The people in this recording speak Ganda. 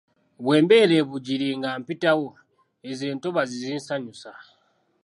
"Bwe mbeera e Bugiri nga mpitawo, ezo entobazzi zinsanyusa."